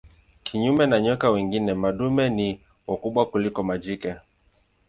Kinyume na nyoka wengine madume ni wakubwa kuliko majike.